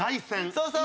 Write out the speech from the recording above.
そうそう！